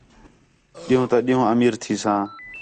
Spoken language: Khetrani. ݙِین٘ہوں تا ݙِین٘ہوں امیر تھیساں